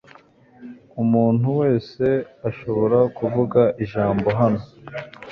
Umuntu wese ashobora kuvuga ijambo hano.